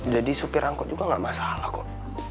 jadi supir angkot juga ga masalah kok